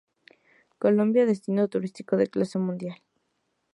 Colombia destino Turístico de Clase Mundial.